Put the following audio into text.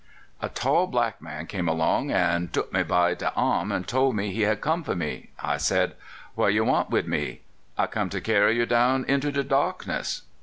A tall black man come along, an' took me by de arm, an' tole me he had come for me. I said: " Wha' yer want wid me? "" I come to carry yer down into de darkness."